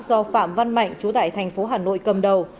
do phạm văn mạnh chú tại tp hà nội cầm đầu